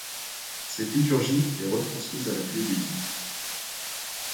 Cette liturgie est retransmise à la télévision.